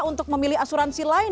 untuk memilih asuransi lain